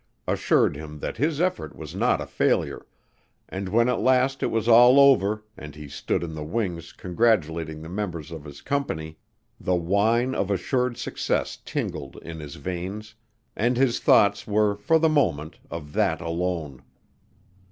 assured him that his effort was not a failure, and when at last it was all over and he stood in the wings congratulating the members of his company, the wine of assured success tingled in his veins and his thoughts were for the moment of that alone.